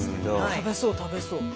食べそう食べそう。